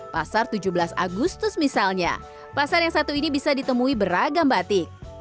pasar tujuh belas agustus misalnya pasar yang satu ini bisa ditemui beragam batik